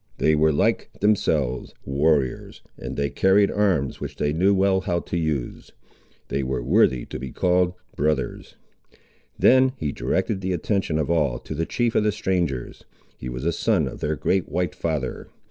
They were, like themselves, warriors, and they carried arms which they knew well how to use—they were worthy to be called brothers! Then he directed the attention of all to the chief of the strangers. He was a son of their great white father.